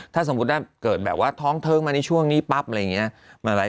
ถ้าสมมุติว่าเกิดแบบว่าท้องเทิงมาในช่วงนี้ปั๊บอะไรอย่างนี้